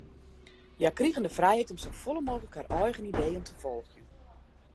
Hja krigen de frijheid om safolle mooglik har eigen ideeën te folgjen.